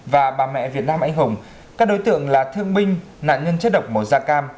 và bà mẹ việt nam anh hùng các đối tượng là thương binh nạn nhân chất độc màu da cam